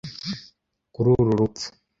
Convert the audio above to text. Kuri uru rupfu